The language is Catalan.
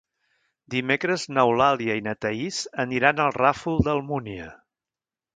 Dimecres n'Eulàlia i na Thaís aniran al Ràfol d'Almúnia.